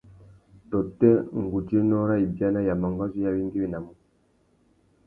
Tôtê ngudzénô râ ibiana ya mangazú i awéngüéwinamú?